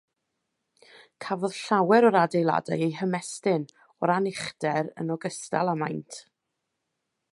Cafodd llawer o'r adeiladau eu hymestyn, o ran uchder, yn ogystal â maint.